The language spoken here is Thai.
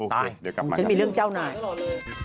ตายฉันมีเรื่องเจ้าหน่อยตายตลอดเลย